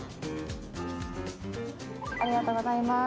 ありがとうございます。